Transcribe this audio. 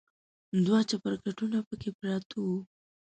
دوه چپرکټونه پکې پراته و.